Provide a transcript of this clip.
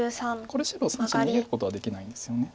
これ白３子逃げることはできないんですよね。